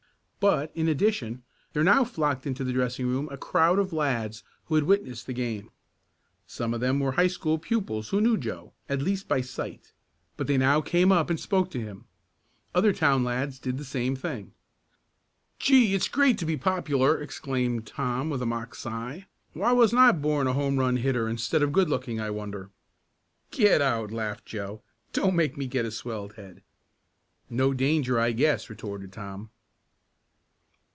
But, in addition, there now flocked into the dressing room a crowd of lads who had witnessed the game. Some of them were high school pupils who knew Joe, at least by sight, but they now came up and spoke to him. Other town lads did the same thing. "Gee! It's great to be popular!" exclaimed Tom, with a mock sigh. "Why wasn't I born a home run hitter instead of good looking, I wonder?" "Get out!" laughed Joe. "Don't make me get a swelled head." "No danger, I guess," retorted Tom.